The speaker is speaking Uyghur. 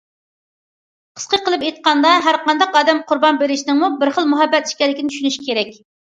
قىسقا قىلىپ ئېيتقاندا ھەرقانداق ئادەم قۇربان بېرىشنىڭمۇ بىر خىل مۇھەببەت ئىكەنلىكىنى چۈشىنىش كېرەك.